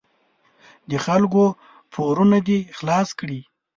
د خلکو پورونه دې خلاص کړي.